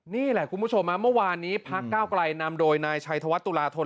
นี่แหละคุณผู้ชมเมื่อวานนี้พักเก้าไกลนำโดยนายชัยธวัฒนตุลาธน